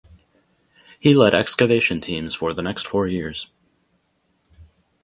He led excavation teams for the next four years.